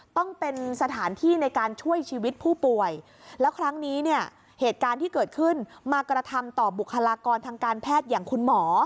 ต้องเป็นสถานที่ในการช่วยชีวิตผู้ป่วยแล้วครั้งนี้เนี่ยเหตุการณ์ที่เกิดขึ้นมากระทำต่อบุคลากรทางการแพทย์อย่างคุณหมอ